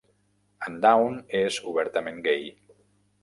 En Down és obertament gai.